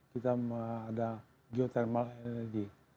kita ada geothermal energy